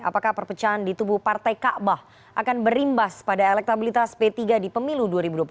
apakah perpecahan di tubuh partai ⁇ kabah ⁇ akan berimbas pada elektabilitas p tiga di pemilu dua ribu dua puluh empat